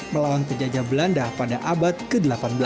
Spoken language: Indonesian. melawan penjajah belanda pada abad ke delapan belas